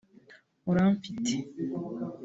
Uramfite